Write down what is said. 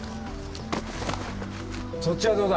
そっちはどうだ？